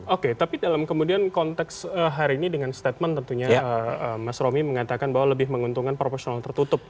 oke tapi dalam kemudian konteks hari ini dengan statement tentunya mas romi mengatakan bahwa lebih menguntungkan proporsional tertutup